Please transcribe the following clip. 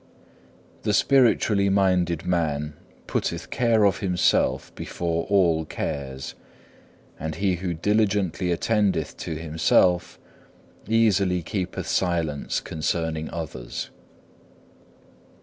2. The spiritually minded man putteth care of himself before all cares; and he who diligently attendeth to himself easily keepeth silence concerning others.